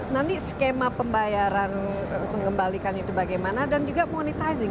nanti skema pembayaran mengembalikan itu bagaimana dan juga monitizing